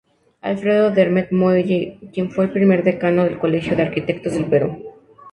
Alfredo Dammert Muelle, quien fue el primer Decano del Colegio de Arquitectos del Perú.